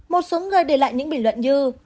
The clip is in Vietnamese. một số người để lại những bình luận như